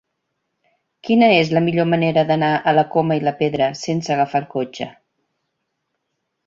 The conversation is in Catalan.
Quina és la millor manera d'anar a la Coma i la Pedra sense agafar el cotxe?